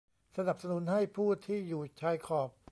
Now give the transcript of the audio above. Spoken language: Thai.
สนับสนุนให้ผู้ที่อยู่ชายขอบ